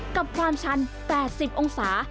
กับความชัน๘๐องศา